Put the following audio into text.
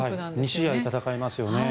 ２試合戦いますよね。